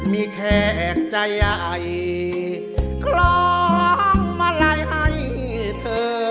มีแขกใจใหญ่คล้องมาลัยให้เธอ